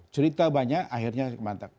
cerita banyak akhirnya mantap